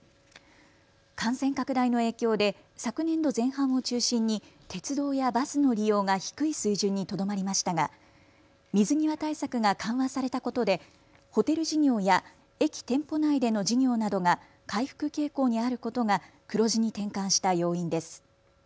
感染拡大の影響で昨年度前半を中心に鉄道やバスの利用が低い水準にとどまりましたが水際対策が緩和されたことでホテル事業や駅店舗内での事業などが回復傾向にあることが黒字に転換した要因です。